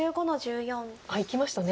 あっいきましたね。